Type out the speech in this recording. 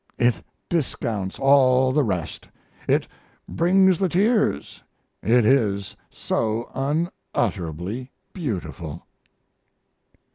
It discounts all the rest. It brings the tears, it is so unutterably beautiful.